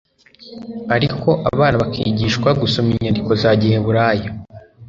ariko abana bakigishwa gusoma inyandiko za giheburayo,